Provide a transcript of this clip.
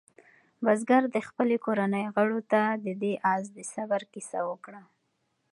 بزګر د خپلې کورنۍ غړو ته د دې آس د صبر کیسه وکړه.